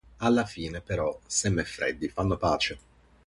Alla fine però Sam e Freddie fanno pace.